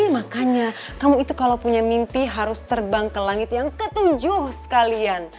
makanya kamu itu kalau punya mimpi harus terbang ke langit yang ketujuh sekalian